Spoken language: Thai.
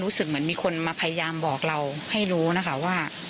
รู้สึกเหมือนมีคนมาพยายามบอกเราให้รู้นะคะว่า